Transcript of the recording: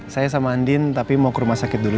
saya sama andin tapi mau ke rumah sakit dulu